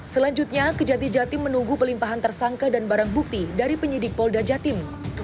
selanjutnya kejati jatim menunggu pelimpahan tersangka dan barang bukti dari penyidik polda jatim